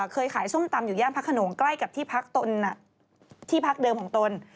เคยขายส้มตำอยู่ย่างพักโขนงใกล้กับที่พักเดิมของตน